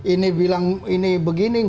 ini bilang ini begini